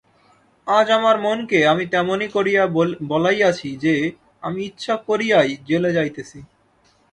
আজ আমার মনকে আমি তেমনি করিয়া বলাইয়াছি যে, আমি ইচ্ছা করিয়াই জেলে যাইতেছি।